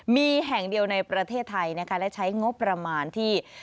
มีแห่งเดียวในประเทศไทยนะคะและใช้งบประมาณที่